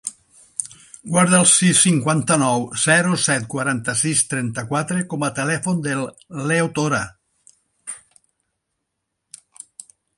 Guarda el sis, cinquanta-nou, zero, set, quaranta-sis, trenta-quatre com a telèfon del Leo Tora.